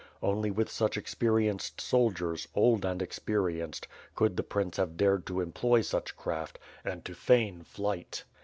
Only with such experienced soldiers, old and experienced, could the prince have dared to employ such craft, and to feign fight.